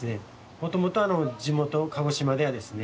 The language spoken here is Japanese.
もともとあのじもと鹿児島ではですね